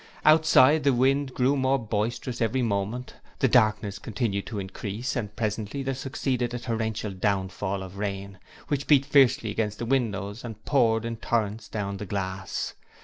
Outside, the wind grew more boisterous every moment; the darkness continued to increase, and presently there succeeded a torrential downfall of rain, which beat fiercely against the windows, and poured in torrents down the glass.